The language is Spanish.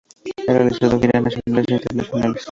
Ha realizado giras nacionales e internacionales.